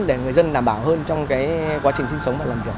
để người dân đảm bảo hơn trong quá trình sinh sống và làm việc